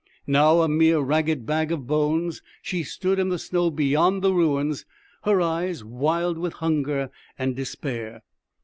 Now, a mere ragged bag of bones, she stood in the snow behind the ruins, her eyes wild with hunger and despair.